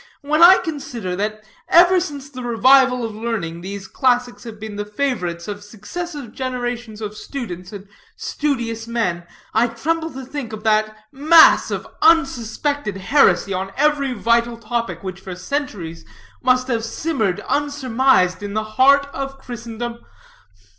When I consider that, ever since the revival of learning, these classics have been the favorites of successive generations of students and studious men, I tremble to think of that mass of unsuspected heresy on every vital topic which for centuries must have simmered unsurmised in the heart of Christendom.